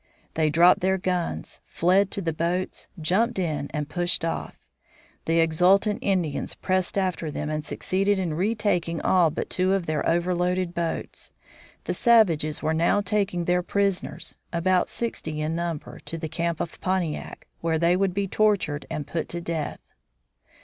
They dropped their guns, fled to the boats, jumped in and pushed off. The exultant Indians pressed after them and succeeded in retaking all but two of their overloaded boats. The savages were now taking their prisoners, about sixty in number, to the camp of Pontiac, where they would be tortured and put to death.